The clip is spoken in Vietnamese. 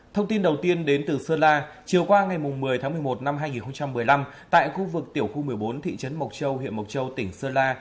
thông tin đầu tiên đến từ sơn la chiều qua ngày một mươi tháng một mươi một năm hai nghìn một mươi năm tại khu vực tiểu khu một mươi bốn thị trấn mộc châu huyện mộc châu tỉnh sơn la